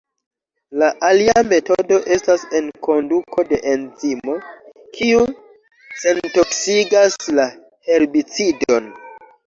La alia metodo estas enkonduko de enzimo, kiu sentoksigas la herbicidon.